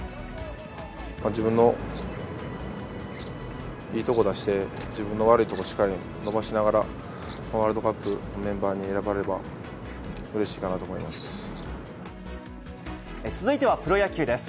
自分のいいとこ出して、自分の悪いところはしっかり伸ばしながら、ワールドカップのメンバーに選ばれればうれしいかなと思います。